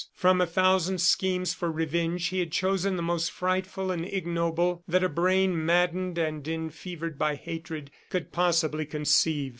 From a thousand schemes for revenge he had chosen the most frightful and ignoble that a brain maddened and enfevered by hatred could possibly conceive.